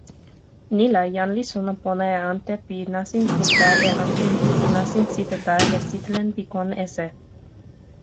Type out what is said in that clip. ni la jan li sona pona e ante pi nasin Puta e ante pi nasin Sitata e sitelen pi kon Ese.